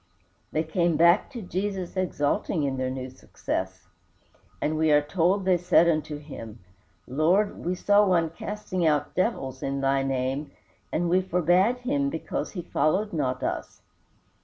They came back to Jesus exulting in their new success, and we are told they said unto him, "Lord, we saw one casting out devils in thy name, and we forbade him, because he followed not us."